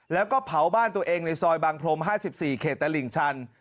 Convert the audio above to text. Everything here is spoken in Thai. แล้วก็เผาบ้านตัวเองในซอยบางพรม๕๔เขตตลิ่งชัน